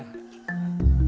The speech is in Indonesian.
nah kita sudah sampai